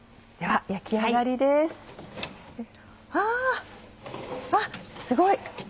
あすごい！